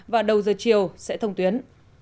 và đầu giờ chiều sẽ thông tuyến